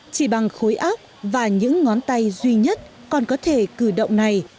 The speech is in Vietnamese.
chỉ bằng khối óc và những ngón tay duy nhất còn có thể cử động này